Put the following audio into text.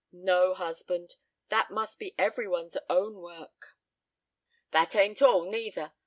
"No, husband, that must be every one's own work." "That ain't all, neither.